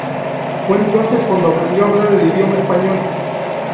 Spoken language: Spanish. Fue entonces cuando aprendió a hablar el idioma español.